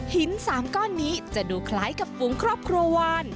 หิน๓ก้อนนี้จะดูคล้ายกับฝูงครอบครัววาน